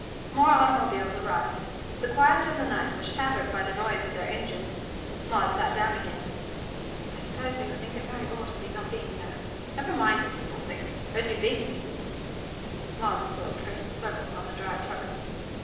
More automobiles arrived. The quiet of the night was shattered by the noise of their engines. Maud sat down again. "I suppose they will think it very odd of me not being there." "Never mind what people think. Reggie Byng didn't." Maud's foot traced circles on the dry turf.